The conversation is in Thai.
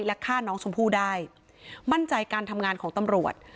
และฆ่าน้องชมพู่ได้มั่นใจการทำงานของตำรวจ